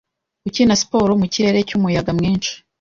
Ukina siporo mu kirere cyumuyaga mwinshi